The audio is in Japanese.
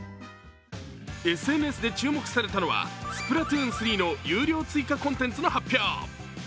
ＳＮＳで注目されたのは「スプラトゥーン３」の有料追加コンテンツの発表。